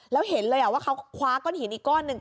แล้วเห็นเลยว่าเขาคว้าก้อนหินอีกก้อนหนึ่ง